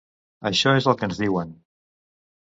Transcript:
Això és el que ens diuen!